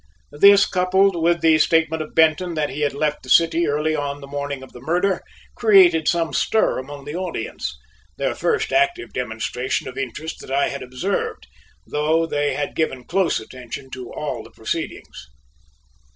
This, coupled with the statement of Benton that he had left the city early on the morning of the murder, created some stir among the audience, their first active demonstration of interest that I had observed, though they had given close attention to all the proceedings.